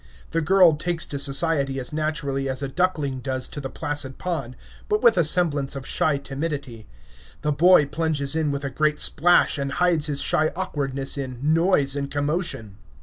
The girl takes to society as naturally as a duckling does to the placid pond, but with a semblance of shy timidity; the boy plunges in with a great splash, and hides his shy awkwardness in noise and commotion.